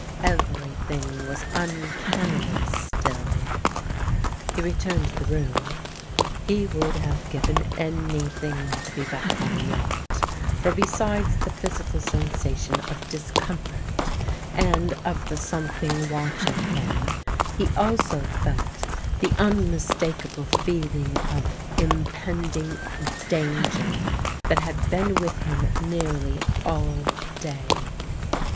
Everything was uncannily still. He returned to the room. He would have given anything to be back on the yacht, for besides the physical sensation of discomfort and of the something watching him he also felt the unmistakable feeling of impending danger that had been with him nearly all day.